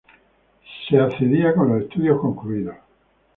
Se accedía con los estudios concluidos.